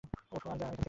ওঠ আর যা এখান থেকে!